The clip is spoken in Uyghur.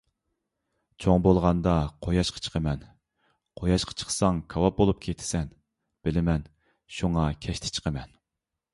_ چوڭ بولغاندا، قۇياشقا چىقىمەن. _ قۇياشقا چىقساڭ، كاۋاپ بولۇپ كېتىسەن. _ بىلىمەن، شۇڭا كەچتە چىقىمەن.